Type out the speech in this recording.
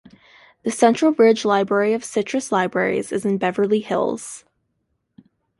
The Central Ridge Library of Citrus Libraries is in Beverly Hills.